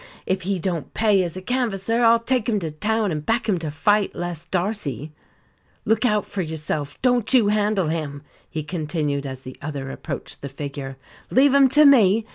If he don't pay as a canvasser I'll take him to town and back him to fight Les Darcy. Look out for yourself; don't you handle him!" he continued as the other approached the figure. "Leave him to me.